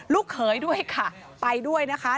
เขยด้วยค่ะไปด้วยนะคะ